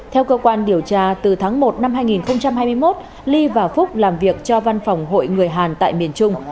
theo cơ quan điều tra từ tháng một năm hai nghìn hai mươi một ly và phúc làm việc cho văn phòng hội người hàn tại miền trung